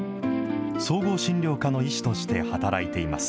総合診療科の医師として働いています。